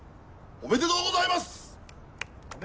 おめでとうございます！